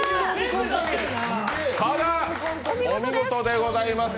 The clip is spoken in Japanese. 加賀、お見事でございます。